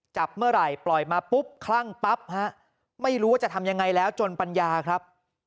จับเมื่อไหร่ปล่อยมาปุ๊บคลั่งปั๊บฮะไม่รู้ว่าจะทำยังไงแล้วจนปัญญาครับ